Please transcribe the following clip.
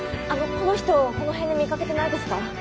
あのこの人この辺で見かけてないですか？